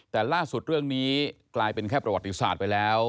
แต่ล่าสุดเรื่องนี้กลายเป็นแค่ประวัติศาสตร์ไปแล้ว